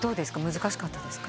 難しかったですか？